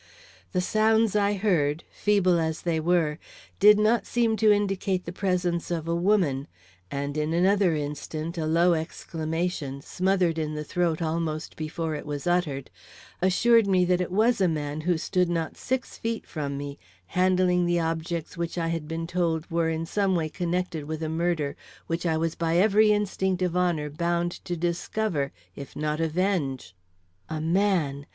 The sounds I heard, feeble as they were, did not seem to indicate the presence of a woman, and in another instant a low exclamation, smothered in the throat almost before it was uttered, assured me that it was a man who stood not six feet from me, handling the objects which I had been told were in some way connected with a murder which I was by every instinct of honor bound to discover, if not avenge. A man!